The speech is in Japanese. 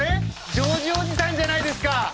ジョージおじさんじゃないですか！